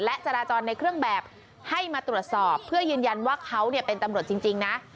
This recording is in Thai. และจราจรในเครื่องแบบให้มาตรวจสอบเพื่อยืนยันว่าเขาเป็นตำรวจจริงนะ